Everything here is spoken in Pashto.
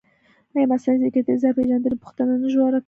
ایا مصنوعي ځیرکتیا د ځان پېژندنې پوښتنه نه ژوره کوي؟